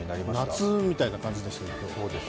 夏みたいな感じでしたね。